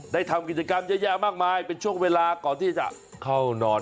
ทำกิจกรรมเยอะแยะมากมายเป็นช่วงเวลาก่อนที่จะเข้านอน